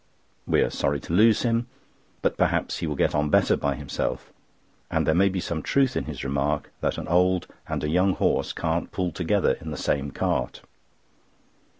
We are sorry to lose him, but perhaps he will get on better by himself, and there may be some truth in his remark that an old and a young horse can't pull together in the same cart.